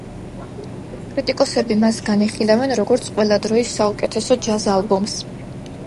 კრიტიკოსები მას განიხილავენ, როგორც ყველა დროის საუკეთესო ჯაზ ალბომს.